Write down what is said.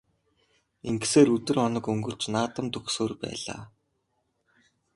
Ингэсээр өдөр хоног өнгөрч наадам дөхсөөр байлаа.